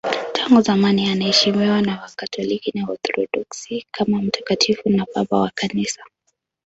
Tangu zamani anaheshimiwa na Wakatoliki na Waorthodoksi kama mtakatifu na babu wa Kanisa.